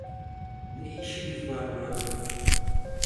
Ne işimiz var burada?